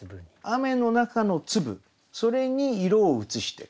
雨の中の粒それに色をうつして。